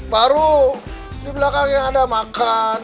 baru di belakang yang ada makan